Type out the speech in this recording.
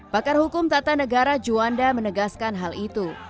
pakar hukum tata negara juanda menegaskan hal itu